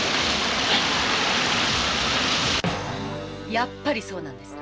やっぱりそうなんですね！